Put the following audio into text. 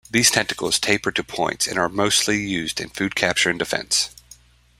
These tentacles taper to points and are mostly used in food capture and defence.